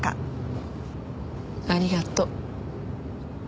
ありがとう。